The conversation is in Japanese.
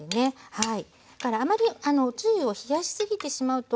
はい。